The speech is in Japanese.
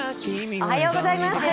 おはようございます。